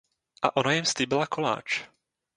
A ona jim slíbila koláč.